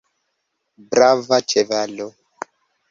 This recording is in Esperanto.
Brava ĉevalo!